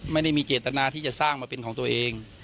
ไม่ได้มีเจตนาที่จะสร้างมาเป็นของตัวเอง